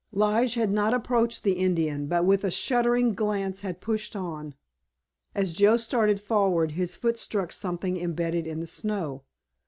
Lige had not approached the Indian, but with a shuddering glance had pushed on. As Joe started forward his foot struck something imbedded in the snow.